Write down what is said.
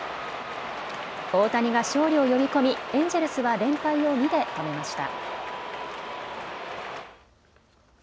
大谷が勝利を呼び込みエンジェルスは連敗を２で止めました。